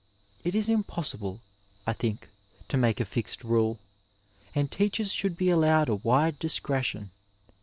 It is impossible, I think to make a fixed rule, and teachers should be allowed a wide discretion.